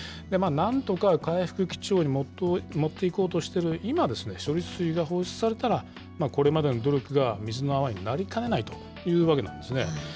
なんとか回復基調に持っていこうとしている今、今、処理水が放出されたら、これまでの努力が水の泡になりかねないというわけなんですね。